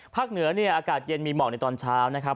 เหนือเนี่ยอากาศเย็นมีหมอกในตอนเช้านะครับ